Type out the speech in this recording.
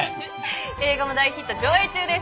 映画も大ヒット上映中です。